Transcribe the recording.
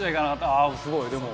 あっすごいでも！